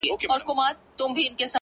يو په ژړا سي چي يې بل ماسوم ارام سي ربه”